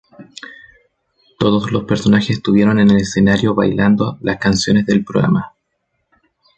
Todos los personajes estuvieron en el escenario bailando las canciones del programa.